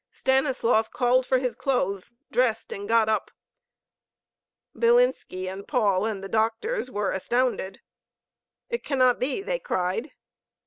Stanislaus called for his clothes, dressed and got up. Bilinski and Paul and the doctors were astounded. "It cannot be!" they cried.